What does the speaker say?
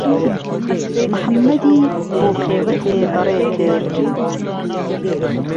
محەممەدی بۆ خێوهتێ بەڕێ کرد